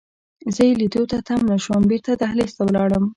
زه یې لیدو ته تم نه شوم، بیرته دهلېز ته ولاړم.